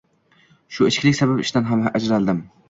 Shu ichkilik sabab, ishdan ham ajraldim